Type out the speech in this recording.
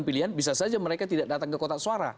pilihan bisa saja mereka tidak datang ke kotak suara